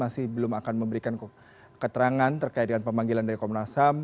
masih belum akan memberikan keterangan terkait dengan pemanggilan dari komnas ham